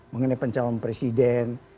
mengenai pencahayaan presiden